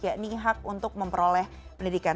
yakni hak untuk memperoleh pendidikan